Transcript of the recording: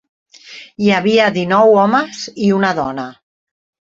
Hi havia dinou homes i una dona.